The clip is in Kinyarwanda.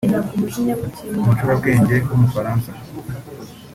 umucurabwenge w’umufaransa